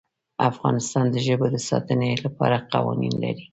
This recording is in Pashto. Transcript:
افغانستان د ژبو د ساتنې لپاره قوانین لري.